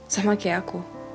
sama kayak aku